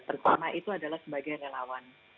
pertama itu adalah sebagai relawan